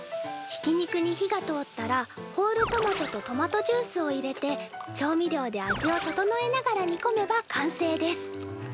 ひき肉に火が通ったらホールトマトとトマトジュースを入れて調味料で味をととのえながら煮込めば完成です。